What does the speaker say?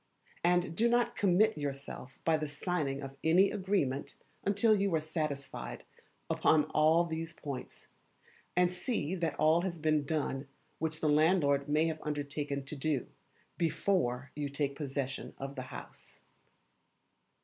And do not commit yourself by the signing of any agreement until you are satisfied upon all these points, and see that all has been done which the landlord may have undertaken to do, before you take possession of the house.